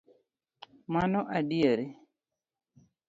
Mano adieri